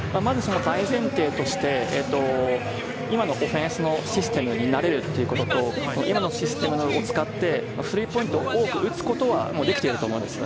大前提として今のオフェンスのシステムに慣れるということと、今のシステムを使って、スリーポイント多く打つことはできていると思います。